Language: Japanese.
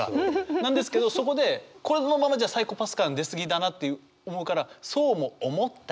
なんですけどそこでこのままじゃサイコパス感出過ぎだなって思うから「そうも思った。